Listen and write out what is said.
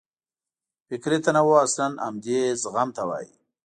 فکري تنوع اصلاً همدې زغم ته وایي.